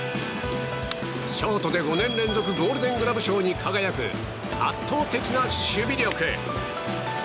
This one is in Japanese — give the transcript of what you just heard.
ショートで５年連続ゴールデン・グラブ賞に輝く圧倒的な守備力。